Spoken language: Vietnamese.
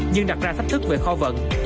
nhưng đặt ra thách thức về kho vận